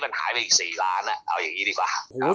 มันหายไปอีก๔ล้านเอาอย่างนี้ดีกว่า